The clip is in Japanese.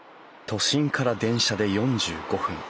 都心から電車で４５分。